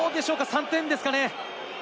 ３点ですかね？